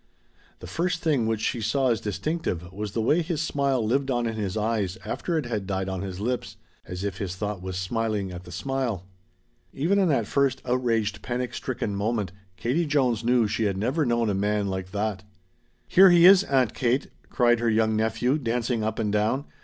The first thing which she saw as distinctive was the way his smile lived on in his eyes after it had died on his lips, as if his thought was smiling at the smile. Even in that first outraged, panic stricken moment Katie Jones knew she had never known a man like that. "Here he is, Aunt Kate!" cried her young nephew, dancing up and down.